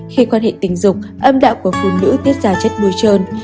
khi quan hệ tình dục âm đạo của phụ nữ tiết ra chất bôi trơn